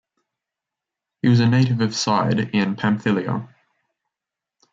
He was a native of Side in Pamphylia.